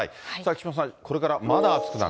木島さん、これからまだ暑くなる？